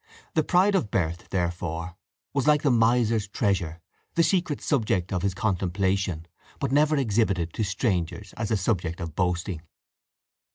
The pride of birth, therefore, was like the miser's treasure, the secret subject of his contemplation, but never exhibited to strangers as a subject of boasting.